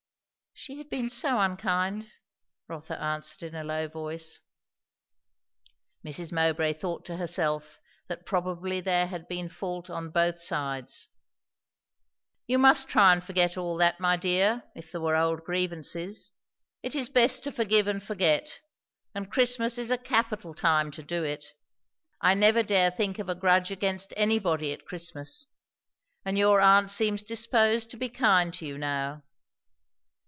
"She had been so unkind " Rotha answered in a low voice. Mrs. Mowbray thought to herself that probably there had been fault on both sides. "You must try and forget all that, my dear, if there were old grievances. It is best to forgive and forget, and Christmas is a capital time to do it. I never dare think of a grudge against anybody at Christmas. And your aunt seems disposed to be kind to you now."